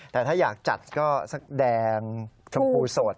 แต่ถ้าอยากจัดก็สักแดงชมพูสด